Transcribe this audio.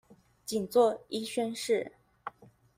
僅做一宣示